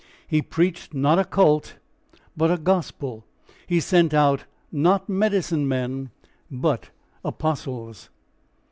He preached not a cult but a gospel; he sent out not medicine men but apostles.